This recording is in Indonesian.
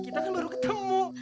kita kan baru ketemu